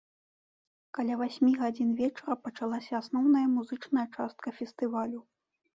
Каля васьмі гадзін вечара пачалася асноўная музычная частка фестывалю.